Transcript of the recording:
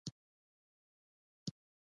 د افغانستان سیاسي خپلواکۍ ګټل.